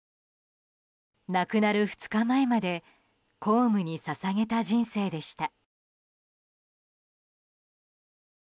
亡くなる２日前まで公務に捧げた人生でした。